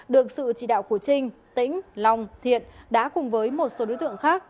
được sự chỉ đạo của trinh tĩnh long thiện đã cùng với một số đối tượng khác